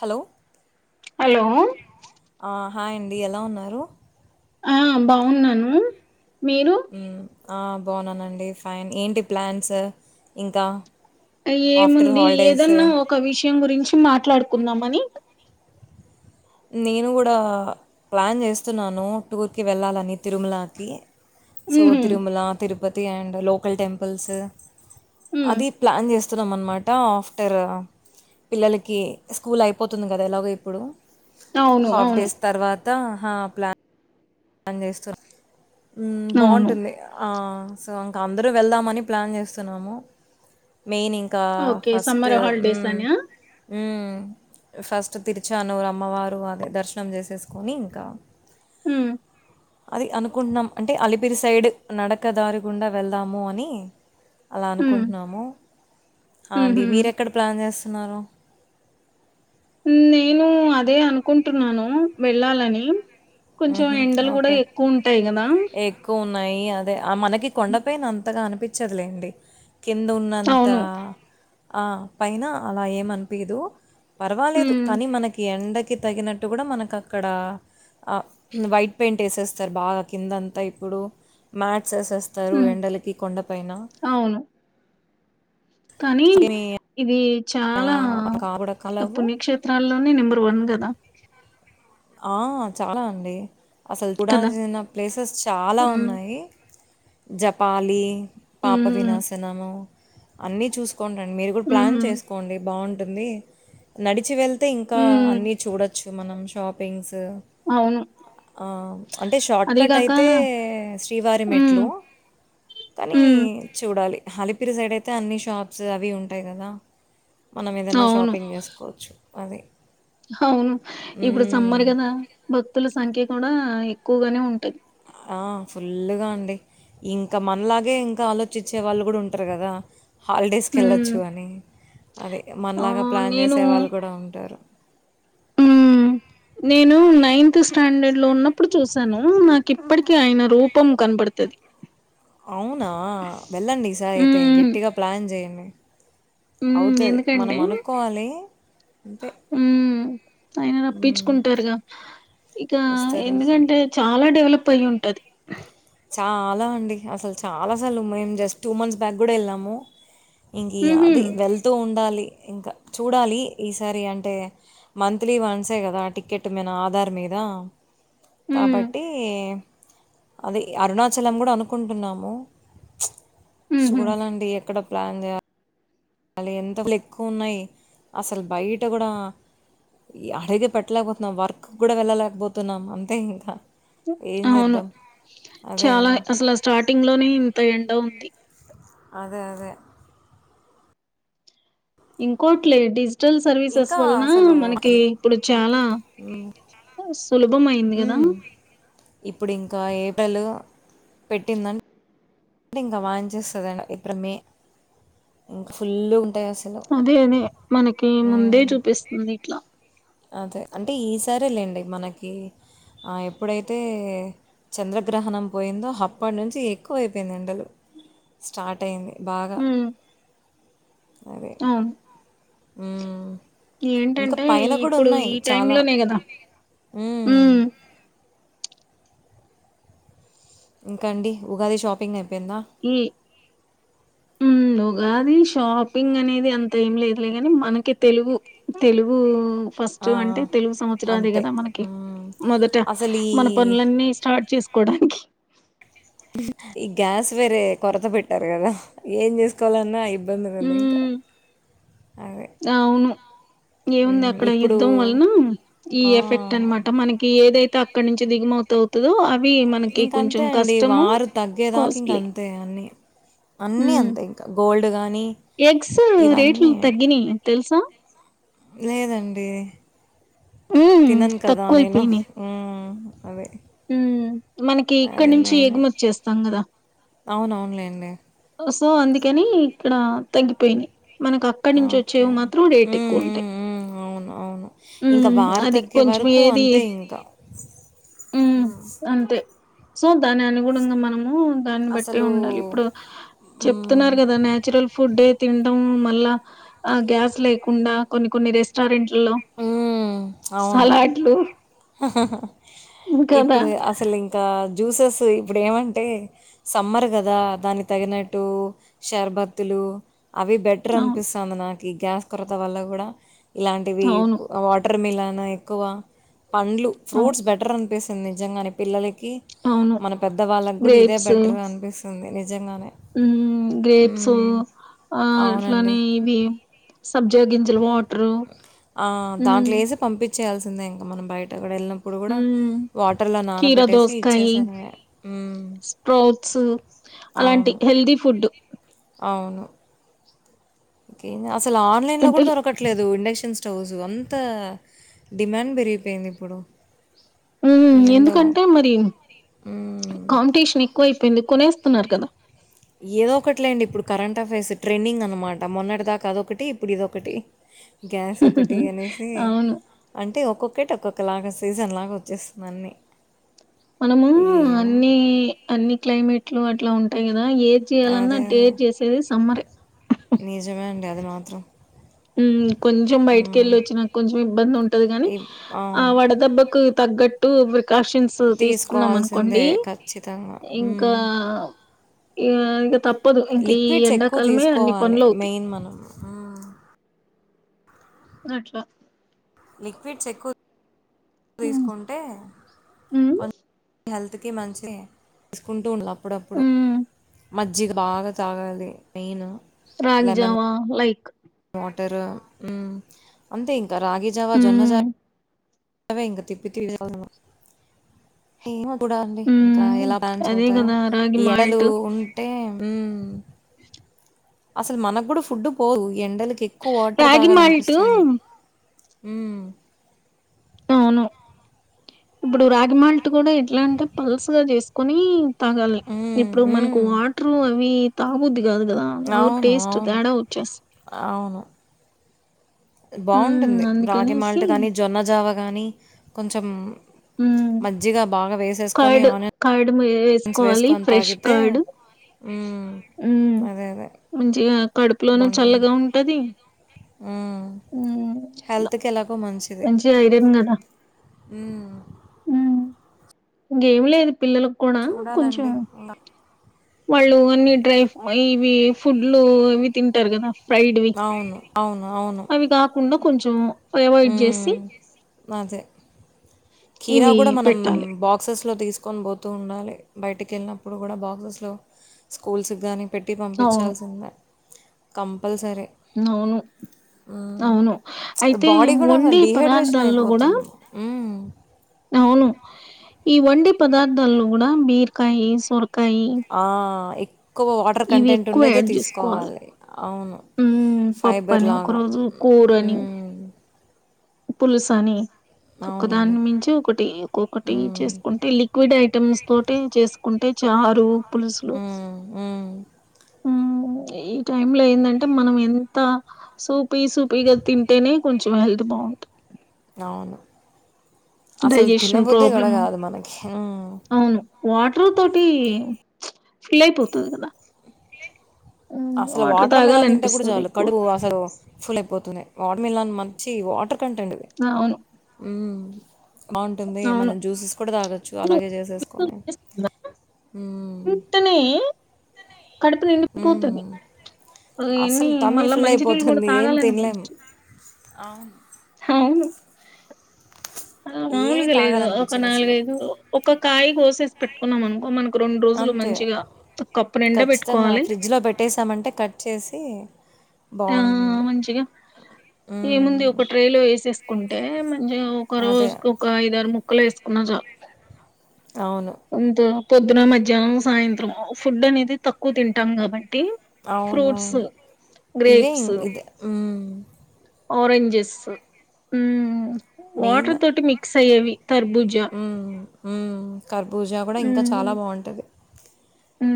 Hello hello ఆ, hi అండి ఎలా ఉన్నారు ఆ బాగున్నాను మీరు ఉమ్ అ బాగునండి ఫైన్ ఏంటి ప్లాన్స్ ఇంకా ఆఫ్టర్ ఏముంది హాలిడేస్ ఏదన్నా ఒక విషయం గురించి మాట్లాడు కుందామని నేను కూడా ప్లాన్ చేస్తున్నాను టూర్కి వెళ్ళాలని తిరుమలకి సో ఉహు తరుమల తిరు Tirupati and local temples um అది ప్లాన్ చేస్ స్తున్నాం అనమాట ఆఫ్టర్ పిల్లలకి స్కూల్ అయిపోతుంది కదా ఎలాగో ఇప్పుడు అవును హాఫ్ అవును డేస్ తర్వాత ఆహా ప్లాన్ పని చేస్తు హ్మ్ అవును బాగుంటుంది సో ఇంకా అందరూ వెళ్దామని ప్లాన్ చేస్తున్నాము మెయిన్ ఇంకా okay first summer holidays um అనా హ్మ్మ్ ఫస్ట్ తిరిచా అన్నరు అమ్మవారు అదే దర్శనం చేసేసుకొని ఇంకా హ్మ్మ్ అది అనుకుంటున్నాం అంటే అలిపిరి సైడ్ నడక దారి గుండా వెళ్దాము అని అలా ఉమ్ అనుకుంటున్నాము ఆ అండి ఉహు మీర ఎక్కడ ప్లాన్ చేస్తా సినారు నేను అదే అనుకుంటున్నాను వెళ్ళాలని కొంచెం హుహు. ఎండలు కూడా ఓకే. ఎక్కువ ఉంటాయి కదా ఎక్కువున్నాయి. అదే ఆ మనకి కొండపైయిన అంతగా అనిపించదలేండి కింద ఉన్నంత అవును ఆ పైన అలా ఏమనిపియాదు పర్వాలేదు ఉమ్ కానీ మనకి ఎండ కి తగినట్టు కూడా మనకు అక్కడ అ వైట్ పెయింట్ వేసేస్తారు బాగా కిందంతా ఇప్పుడు మ్యాట్ సేసేస్తారు ఉమ్ ఎండలకి కొండపైన అవును కానీ సో, ఏమి ఇది చాలా ఆహ్, మనకు ఆ కూడా కలవ్వు. పుణ్యక్షేత్రాల్లోనే నెంబర్ వన్ కదా ఆహ్ చాలా అండి. అసలు కదా చూడాల్సిన ప్లేసెస్ చాలా ఉమ్ ఉన్నాయి. జపాలి. పాప హ్మ్ వినాశనాము. అన్నీ చూసు. కొండ్ర అండి మీరు కూడా ప్లాన్ హ్మ్ చేసుకోండి బాగున్ ఉంది నడిచి వెళ్తే. అయితే ఇంకా హ్మ్ అన్ని చూడొచ్చు. మనం షాప్ పేన్స్ట్ అవును. ఆహ్ అంటే షార్ట్కట్ అదీగాక అయితే శ్రీవారి హ్మ్. మెట్లు కానీ హ్మ్. చూడాలి. అలిపిరి సైడ్ అయితే అన్నీ షాప్స్ అవి ఉంటాయి కదా. మనం ఏదనా అవును. షాపింగ్ చేసుకోవచ్చు. అది. అవును ఇప్పుడు సమ్మర్. హ్మ్. అవే కదా భక్తుల సంఖ్యే. కూడా ఎక్కువగానే ఉంటది. ఆహ్ ఫుల్గా అండి ఇంకా మనలాగే ఇంకా ఆలోచించే వాళ్ళు కూడా ఉంటారు కదా. హాలిడేస్కి హ్మ్. వెళ్ళొచ్చు అని అదే మనలాగా ఆహ్, ప్లాన్ చేసే వాళ్ళు కూడా ఉంటారు. ఉమ్ నేను నైన్త్ స్టాండర్డ్ లో ఉన్నప్పుడు చూసాను. నాకు ఇప్పటికి ఆయన రూపం కనబడుతది. అవునా వెళ్ళండి ఈసారి అయితే గట్టిగా ప్లాన్ చేయండి. ఉమ్ అవుతది. మనం ఎందుకంటే అనుకోవాలి. అంతే. ఉమ్ ఆయన హ్మ్. రప్పించుకుంటారుగా ఇంకా వస్తారు. ఎందుకంటే వస్తారు. చాలా డెవలప్ అయి ఉంటది. ఉమ్. చాలా అండి అసలు చాలా అసలు మేము జస్ట్ టూ మంత్స్ బ్యాక్ కూడా వెళ్ళాము. ఇంక హుహు. అది వెళ్తూ ఉండాలి. ఇంకా చూడాలి ఈసారి అంటే మంత్లీ వన్సే కదా టికెట్ మీద ఆధార్ మీద. హ్మ్. కాబట్టి. అదే అరుణాచలం కూడా అనుకుంటున్నాము ప్చ్. హుహు. చూడాలండి అక్కడ. ప్లాన్ ద. మళ్ళి ఎండలు ఎక్కువ ఉన్నాయి. అసలు బయట కూడా అడుగు పెట్టలేకపోతున్నాం. వర్క్ కూడా వెళ్ళలేకపోతున్నాం అంతే ఇంకా. ఏం అవును జేద్దాం? అదే చాలా గదా! అసలు ఆ స్టార్టింగ్ లోనే ఇంత ఎండ ఉంది. అదే అదే. ఇంకోటి లేడీస్. చల్ల్ సర్వీసెస్ ఇంకా వలన అసలు మనకి ఇది ఇప్పుడు చాలా ఉమ్. సులభం అయింది కదా క ఏటల్ పెట్టిందం ంటే ఇంకా వాన్ చేేస్తుంది ఇప్పుడు మే ఇం ఫుల్ ఉంటాయి అసలు అదే అదే మనకి ముందే ఉమ్. చూపిస్తుంది ఇట్లా అదే అంటే ఈసారే లేండి మనకి ఆ ఎప్పుడైతే చంద్రగ్రహణం పోయిందో అప్పటి నుంచి ఎక్కువైపోయింది ఎండలు స్టార్ట్ అయింది బాగా ఉమ్ అదే అవును ఉమ్. ఇంకా ఏంటంటే పైన కూడా ఇప్పుడు ఉన్నాయి ఈ టైమ్ చాలా లోనే కదా ఉ ఉమ్. ఇంకా అండి ఉగాది షాపింగ్ అయి ఈ ఉ ఉగ ది షాపింగ్ అనేది అంత ఏం లేదులేగాని మనకి తెలుగు తెలుగు ఫస్ట్ ఆ, అంటే తెలుగు సంవత్సరాది అంతే కథ మ్మ్. అసలు ఈ ఈ గ్యాస్ వేరే కొరత పెట్టారు కదా ఏం చేసుకోవాలన్నా ఇబ్బందిలుండి ఇంకా ఉమ్ అదే అవును ఏముంది మ్మ్, అక్కడ ఇప్పుడు యుద్ధం వలన ఈ ఆ, ఎఫెక్ట్ అనమాట మనకి ఏదైతే ఎక్క నుంచి దిగమవుత అవుతుో ఇంక అంతే అండి వారు తగ్గేదాకా ఇంక కాస్ట్లీ అంతే అన్ని అన్నిీ ఉమ్ అంతే ఇంకా గోల్డ్ బగా ఎగ్స్ రేట్లు తగ్గినయి తెల్సా లేదండి ఉమ్ తినను కదా నేను ఉ ఉ మనకి ఇక్కడ అదే నుంచి మెయిన్ ఎగుమ వచ్చేస్తాం కదా అవునవునులేండి సో అందుకని ఇక్కడ తగ్గిపోయాయి మనకు అక్కడి నుంచి ఓకే. వచ్చేవి మాత్రం రేట్ హ్మ్. ఎక్కువ ఉంటాయి హ్మ్. హ్మ్. అవును. అవును ఇంకా ఉమ్ వారు అది తగ్గే కొంచెం వరకు ఏది అంతే ఇంకా ఉ హ్మ్ అంతే సో దాని అనుగుణంగా మనం ఉ దాని బట్ అసలు ఉాల ఇప్పుడు చెప్తు హ్మ్. కద నాచురల్ ఫుడ్ మళ ఆ గ్యాస్ లేకుండా కొన్ని కొన్ని రెస్టారెంట్లలో హమ్ అవును సలాడ్లు హ్యూ కదా ఇప్పుడు అసలు ఇంకా జ్యూసెస్ అ సో ఇప్పుడు ఏమంటే సమ్మర్ కదా దాన్ని తగినట్టు షర్బత్తులు అవి బెటర్ అవును అనిపిస్తది నాకు ఈ గ్యాస్ కొరత వల్ల కూడా ఇలాంటివి అవును వాటర్ మిలాన్ అ ఇకువ పండ్లు అవు ఫ్రూట్స్ బెటర్ అనిపేసి నిజంగాని పిల్లల అవును మన పెద్ద వాళ్ళకి కూడా ఇదే బెటర్ అనిపిస్తుంది అ నిజ హమ్ గ్రేప్స్ అవునండి ఇట్లానే ఇవి సబ్జా గింజలు వాటరు ఆ హ్మ్ దాంట్లో ఏసి పంపిం చేయాల్సిందే ఇంకా మన బయట అక్కడ వెళ్ళినప్పుడు కూడా హ్మ్ వాటర్లో కీర నానబెట్టేసి దోసకాయి ఇచ్చేసాను మ్మ్ స్ప్రౌట్స్ అలాంటి అవును హెల్దీ ఫుడ్ అవును కనా అసలు ఆన్లైన్ లో అంటే కూడా దొరకట్లేదు ఇండక్షన్స్ స్టవ్స్ అంత డిమాండ్ పెరిగిపోయింది ఇప్పుడు ఉ ఏందో ఎందుకంటే మరి మ్మ్. కాంటీషన్ ఎక్కువ అయిపోయింది కొనే కుందా ఏదో ఒకటిలే అండి ఇప్పుడు కరెంట్ అఫైర్స్ ట్రెండింగ్ అనమాట మొన్నటి దాకా అదొకటి ఇప్పుడు ఇదొకటి గ్యాస్ ఒకటి అనేసి అవును. అంటే ఒక్కొక్క ఒకటి ఒక్కొక్కలాగా సీజన్ లాగా వచ్చేస్తుందిన్ని మనము అన్ని అన్ని క్లైమేట్లు అట్లా ఉంటా ఏచీ అదే అాలన్నట్ట అదే ఏర్చీసేది సమ్మర నిజమే అండి అది మాత్రం మ్ హ్మ్. ఇప్ అవును. తగ్గట్టు ప్రికాషన్స్ తీసుకున్నాం అనుకోండి తీసుకోవాల్సిందే ఖచ్చితంగా. ఇంకా హ్మ్. ఇ ఇక తప్ప లిక్విడ్స్ ఎక్కువ తీసుకోవాలి పనులవుతాయి. మెయిన్ మనం అట్లా లిక్విడ్స్ ఎక్కువ హ్మ్. తీసుకుంటే హ్మ్. కొ తుకి మంచి తీసుకుంటూ ఉండా అప్పుడప్పుడు హ్మ్. మజ్జిగా బాగా తాగాలి మెయిన్ రాగిజవా లైక్ మాటర్ అంతే ఇంకా రాగి జావా జొన్న జా హ్మ్. అే ఇంగ తిప్ప [unintelligible] చూడాలాండి ఇంకా హ్మ్ ఎలా బ్యాన్స్ అదే అవుతాయో కదా రాగి ఈ ఎండలు మాల్ట్ ఉంటే ఉం అసలు మనకు కూడా ఫుడ్ పోదు ఎండలకి ఎక్కువ వాటర్ రాగి మాల్ట్ తాగాలనిపిస్తుంది ఉమ్ అవును ఇప్పుడు రాగిమాల్ట్ కూడా ఎట్లా అంటే పల్స్గా చేసుకొని తాగాలి మ్మ్ ఇప్పుడు మనకు మ్మ్ వాటరు అవి త బుద్ధి కాదు కదా మల్ల అవును టేస్ట్ అవును తేడా ఉచ్చాస్ అవును బాగుంటుంది రాగి మాల్ట్ గాని జొన్నజావా కానీ కొంచెం హ్మ్ మజ్జిగ బాగా వేసేసుకొని ఆన్ వేస్కొవలి ఫ్రెష్ కర్డ్ మ్మ్ ఊ అదే అదే ముంచి ఆ కడుప్లోను చల్లగా ఉంటది ఊ హ్మ్ హెల్త్కి ఎలాగో మంచిది నూడ ఊ ఊ ఇంకేమి లేదు పిల్లలక్ కూడా కొంచెం చూడాలండి ఇంకా. వాళ్ళు అన్ని డ్రై ఇవి ఫుడ్లు ఇవి తింటరు గద ఫ్రైడ్ వి అవును అవును అవును అవి కాకుండ కొంచము అవైడ్ చేసి ఆదె కీరా ఇవి కూడ మనం పెట్టాలి బాక్సెస్ జ్ తీస్కొన్ పొతూ ఉండాలి బయటికి కెళ్ళినప్పుడు కూడ బాక్సెస్ లొ స్కూల్స్ గాని పెట్టి అవును పంపించాల్సిదె కమ్ పల్సరే అవును మ్ అవును అయితే బాడీ కూడ వండే డిహైడ్రేషన్ అయ్ పదార్థాల్లో కూడా పోతుంది. అవును ఈ వండి పదార్థాల్లొ కూడ బీర్కయి సొర్క్ ఆ ఇక్ క్కువ్ వాటర్ ఇవి కంటెంట్ ఎక్కువ ఉండేదే యాడ్ చేసుకోవాలి తీస్కోవాలి. అవ్ను ఉమ్ పప్పు ఫైబర్ అని లాగ ఒక రోజు ఉమ్ పులుసని అవునండి ఒకదాని మించి ఒకటి ఒక్కొక్కటి మ్మ్. చేసుకుంటే లిక్విడ్ ఐటమ్స్ తోటే చేస్ కుంటే చారూ పులుసులు మ్మ్. మ్మ్. ఊ ఈ టైమ్ లో ఏందంటే మనం ఎంత సూపీ సూపీగ తింటేనే కొంచెం హెల్త్ బాం అవును అసలు డైజెషన్ తినబుద్ధి కూడా ప్రాబ్లము కాదు మనకి మ్మ్. చ్ ఫీల్ అయ్ పోతది గద అసల్ వాటర్ మిలన్ తింటే కూడ చాలు ఎక్కువ. కడువు అసలు ఫుల్ అయిపోత్ తూనె వాటన్ మిలన్ మంచి వాటర్ కంటెంటిది. అవును. మ్ బాగుంటుంది. అవును. మనం జ్యూసెస్ కూడా తాగచ్చు హ్మ్. అలాగే చేసేసుకొని మ్ వెంటనే కడుపు మ్ నిండిపోతది. ఎన్ని అసలు టమ్మీ మళ్ళా ఫుల్ మంచినీళ్ళు గూడా అయిపోతుంది ఏం తినలేము. తాగాలనిపించదు. అవును అవును ఏమి మాములుగా లేదు ఒక తాగాలనిపించదు అసలు నాలుగైదు ఒక కాయ కోసేసి పెట్టుకున్నాం. అనుకో మనకు రెండు రోజులు అంతే మంచిగా ఒక కప్పు నిండ బేట్టుకోవాలి. అంటే కట్ చేసి ఆ బాగుంటుంది మంచిగా ఏముంది హ్మ్ ఒక ట్రేలో ఎసేస్ కుంటే కోజ్ అదే ఒకరోజ్కు ఒక అయిదు ఆరు ముక్క ముక్కలు వేసుకున్న చాలు అవును అంత పొద్దున మధ్యాహ్నం సాయంత్రం ఫుడ్ అనేది తక్కువ తింటాం కాబ అవునవును ఇవేంగ్ ఇద మ్ అ ఓరెంజెస్ మ్ మెయిన్ వాటర్ తోటి మిక్స్ తేయవి. తర్బుజా ఉ కర్బూజా కూడా ఇంకా చాలా బాగుంటుంది ఉ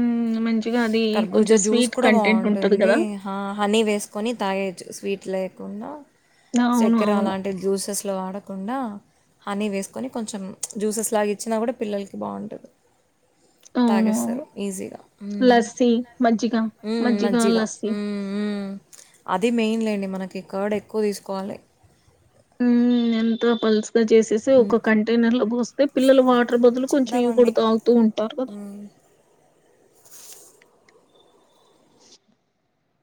మంచి కర్బూజ జ్యూస్ కూడా బాగుంటుంది కదా ఆ హనీ వేసుకొని తాగేయచ్చు స్వీట్ ట్ లేకుండా అవును చక్కెర అవును అలాంటి జ్యూసెస్ ఇవి వాడకుండా హనీ వేసుకొని కొంచెం జ్యూసెస్ లాగా ఇచ్చినా కూడా పిల్లలకి బాగుంటది తాగేస్తారు ఈజీగా మజ్జిగా మ్మ్, మజ్జిగా మజ్జిగ లస్సి మ్మ్, మ్మ్. అది మెయిన్లేండి మనకి కర్డ్ ఎక్కువ తీసుకోవాలి ఉ ఎంత పల్స్ చేసేసి ఒక కంటైనర్ లో పోస్ పిల్లలు వా దాని బదులు కొంచెం ఇవి కూడ చేద్దామండి తాగుతూ ఉంటారు మ్మ్.